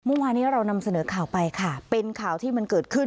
เมื่อวานี้เรานำเสนอข่าวไปค่ะเป็นข่าวที่มันเกิดขึ้น